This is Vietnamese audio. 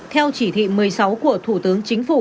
theo chỉ thị một mươi sáu của thủ tướng chính phủ